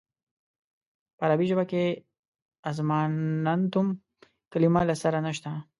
په عربي ژبه کې اظماننتم کلمه له سره نشته.